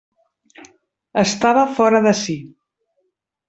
Estava fora de si.